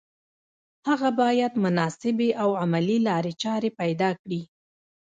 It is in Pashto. هغه بايد مناسبې او عملي لارې چارې پيدا کړي.